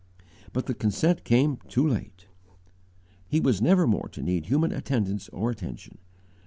_ But the consent came too late. He was never more to need human attendance or attention.